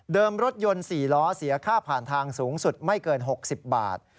รถยนต์๔ล้อเสียค่าผ่านทางสูงสุดไม่เกิน๖๐บาท